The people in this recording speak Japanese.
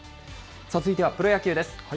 続いてはプロ野球です。